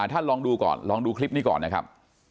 ท่านลองดูก่อนลองดูคลิปนี้ก่อนนะครับ